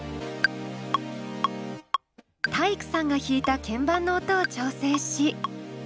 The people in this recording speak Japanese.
体育さんが弾いた鍵盤の音を調整し。